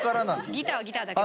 ギターはギターだけど。